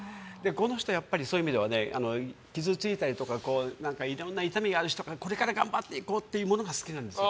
この人、そういう意味では傷ついたりとかいろんな痛みがある人がこれから頑張っていこうというものが好きなんですよ。